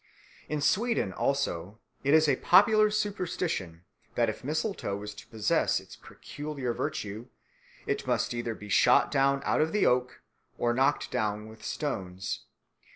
In Sweden, also, it is a popular superstition that if mistletoe is to possess its peculiar virtue, it must either be shot down out of the oak or knocked down with stones.